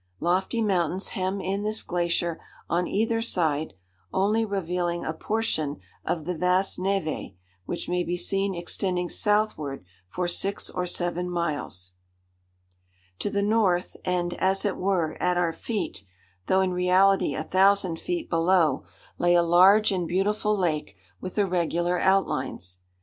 Lofty mountains hem in this glacier on either side, only revealing a portion of the vast névé which may be seen extending southward for six or seven miles. [Illustration: Source of the Little Fork of the Saskatchewan River.] To the north and, as it were, at our feet, though in reality a thousand feet below, lay a large and beautiful lake with irregular outlines.